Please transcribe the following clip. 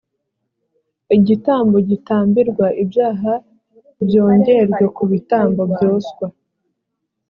igitambo gitambirwa ibyaha byongerwe ku bitambo byoswa